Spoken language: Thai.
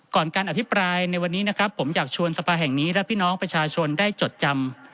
ก่อนการอภิปรายในวันนี้นะครับผมอยากชวนสภาแห่งนี้และพี่น้องประชาชนได้จดจำ